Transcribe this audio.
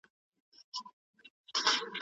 د کلتوري ارزښتونو د ساتني لپاره به کار روان وي.